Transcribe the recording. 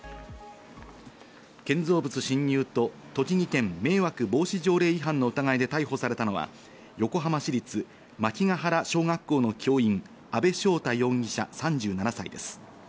建造物侵入と栃木県迷惑防止条例違反の疑いで逮捕されたのは横浜市立万騎が原小学校の教員・阿部翔太容疑者３７歳です。